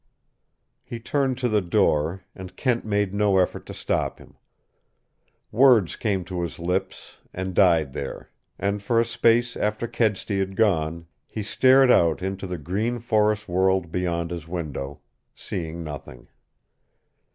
He turned to the door; and Kent made no effort to stop him. Words came to his lips and died there, and for a space after Kedsty had gone he stared out into the green forest world beyond his window, seeing nothing.